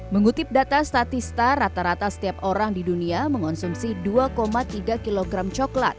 mengutip data statista rata rata setiap orang di dunia mengonsumsi dua tiga kg coklat